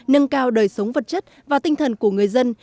nâng cao đời sống vật chất và tinh thần của người dân